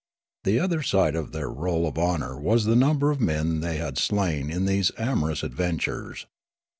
The other .side of their roll of honour was the number of men they had slain in these amorous adventures.